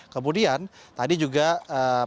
kemudian tadi juga prabowo subianto